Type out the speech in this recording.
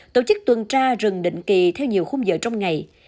tổ chức tuần tra rừng định kỳ theo nhiều khung giờ trong ngày